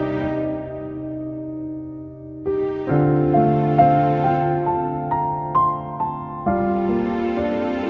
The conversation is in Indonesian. sama menang dia